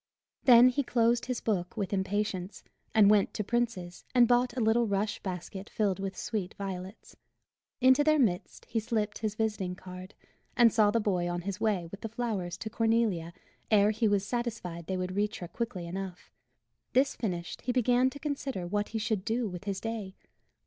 Then he closed his book with impatience, and went to Prince's and bought a little rush basket filled with sweet violets. Into their midst he slipped his visiting card, and saw the boy on his way with the flowers to Cornelia ere he was satisfied they would reach her quickly enough. This finished, he began to consider what he should do with his day.